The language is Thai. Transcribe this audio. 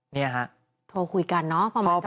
เนี่ยฮะโทรคุยกันเนาะประมาณสัก๑๐นาที